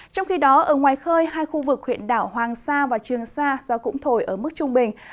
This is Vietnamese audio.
trong khi đó ở ngoài khơi hai khu vực huyện đảo hoàng sa và trường sa do cũng thổi ở mức trung bình